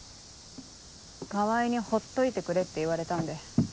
川合にほっといてくれって言われたんで。